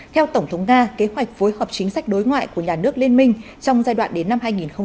theo tổng thống nga kế hoạch phối hợp chính sách đối ngoại của nhà nước liên minh trong giai đoạn đến năm hai nghìn hai mươi